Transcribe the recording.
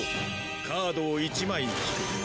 カードを１枚引く。